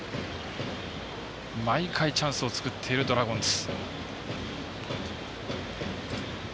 毎回チャンスを作っているドラゴンズ。